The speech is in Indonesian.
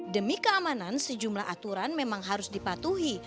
demi keamanan sejumlah aturan memang harus dipatuhi